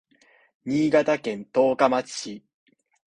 新潟県十日町市